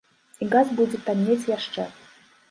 І газ будзе таннець яшчэ.